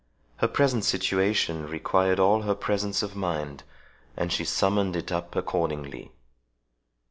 Her present situation required all her presence of mind, and she summoned it up accordingly.